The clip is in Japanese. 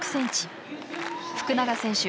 福永選手